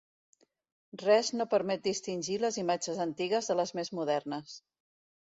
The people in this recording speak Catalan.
Res no permet distingir les imatges antigues de les més modernes.